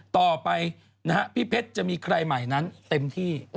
ต่อไปพี่เพชรจะมีใครใหม่นั้นเต็มที่